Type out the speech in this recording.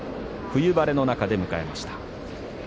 冬晴れの中で迎えました。